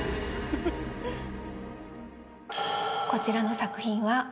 こちらの作品は。